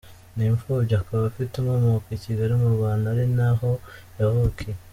Ni imfubyi akaba afite inkomoko i Kigali mu Rwanda, ari na ho yavukiye.